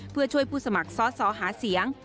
เพื่อช่วยผู้สมัครสอสอหาเสียง